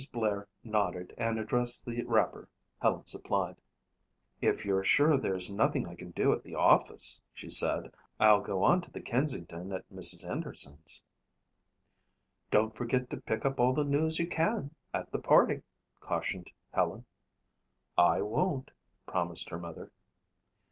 Blair nodded and addressed the wrapper Helen supplied. "If you're sure there's nothing I can do at the office," she said, "I'll go on to the kensington at Mrs. Henderson's." "Don't forget to pick up all the news you can at the party," cautioned Helen. "I won't," promised her mother.